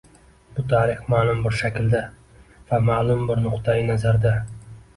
Bu tarix ma’lum bir shaklda va ma’lum bir nuqtai nazarda